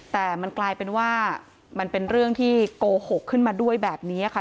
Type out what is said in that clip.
แต่มันกลายเป็นว่ามันเป็นเรื่องที่โกหกขึ้นมาด้วยแบบนี้ค่ะ